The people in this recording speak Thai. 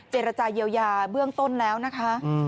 เจรจาเยียวยาเบื้องต้นแล้วนะคะ